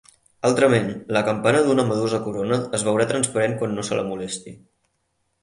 Altrament, la campana d'una medusa corona es veurà transparent quan no se la molesti.